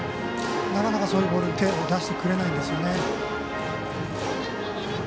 なかなかそういうボールに手を出してくれないんですよね。